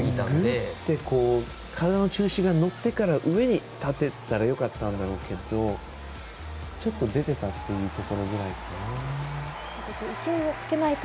グッて体の中心が乗ってから上に立てたらよかったんだろうけど、ちょっと出てたっていうところだね。